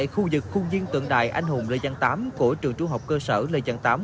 tại khu vực khuôn viên tượng đài anh hùng lê giang tám của trường trung học cơ sở lê giang tám